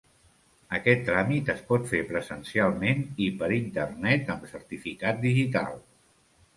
Aquest tràmit es pot fer presencialment i per Internet amb certificat digital.